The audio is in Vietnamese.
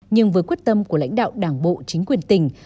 nhưng với quyết tâm của lãnh đạo đảng bộ chính quyền tỉnh